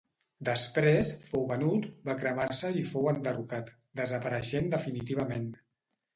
Després fou venut, va cremar-se i fou enderrocat, desapareixent definitivament.